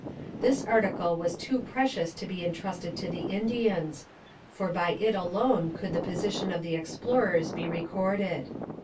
This article was too precious to be entrusted to the Indians, for by it alone could the position of the explorers be recorded.